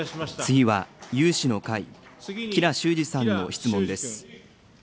次は有志の会、吉良州司さんの質問です。